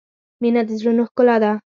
• مینه د زړونو ښکلا ده.